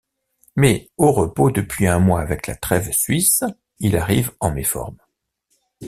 Mais, au repos depuis un mois avec la trêve suisse, il arrive en méforme.